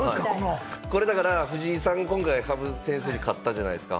藤井さんが今回、羽生先生に勝ったじゃないですか。